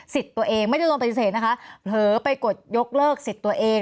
ตัวเองไม่ได้โดนปฏิเสธนะคะเผลอไปกดยกเลิกสิทธิ์ตัวเอง